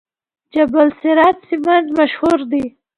جبل السراج سمنټ مشهور دي؟